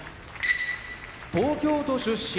東京都出身